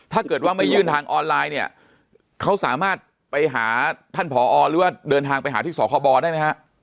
ถ้าเกิดว่าไม่ยื่นทางออนไลน์เนี่ยเขาสามารถไปหาท่านผอหรือว่าเดินทางไปหาที่สคบได้ไหมฮะ